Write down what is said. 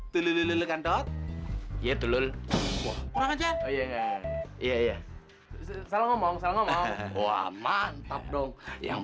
telur kan tot ya dulu woi iya iya salah ngomong ngomong wah mantap dong yang